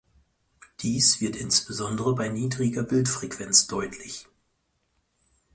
Dies wird insbesondere bei niedriger Bildfrequenz deutlich.